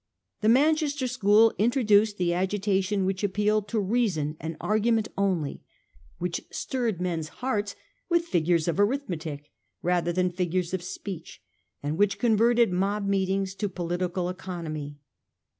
The Manchester school introduced the agita tion which appealed to reason and argument only,* which stirred men's hearts with figures of arithmetic, rather than figures of speech, and which converted mob meetings to political economy.